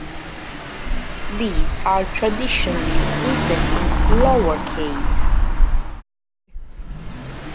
These are traditionally written in lowercase.